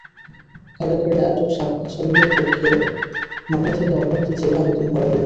কারাগারে আটক আসামিদের পক্ষে মামলা থেকে অব্যাহতি চেয়ে আবেদন করা হয়েছে।